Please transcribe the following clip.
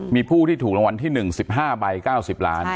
มีผู้ที่ถูกรางวัลที่๑๑๕ใบ๙๐ล้าน